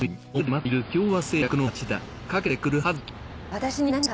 私に何か？